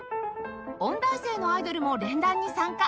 音大生のアイドルも連弾に参加！